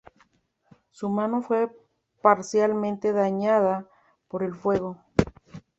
Su mano fue parcialmente dañada por el fuego.